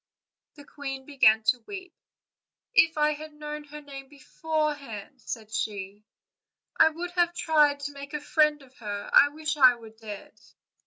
The queen began to weep. "If I had known her name beforehand," said she, "I would have tried to make a friend of her: I wish I were dead."